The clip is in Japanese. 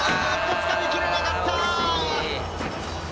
掴みきれなかった！